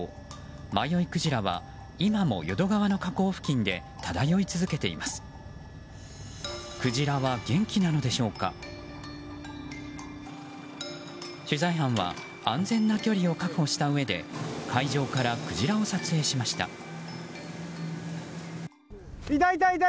迷いクジラは今も淀川の河口付近で漂い続けています。